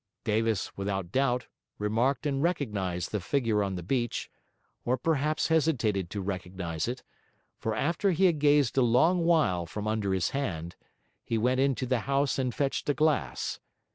Davis, without doubt, remarked and recognised the figure on the beach; or perhaps hesitated to recognise it; for after he had gazed a long while from under his hand, he went into the house and fetched a glass.